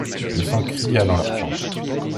Le sang cria dans leurs tempes.